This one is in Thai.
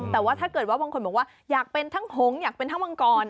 แต่ว่าถ้าเกิดว่าบางคนบอกว่าอยากเป็นทั้งผงอยากเป็นทั้งมังกร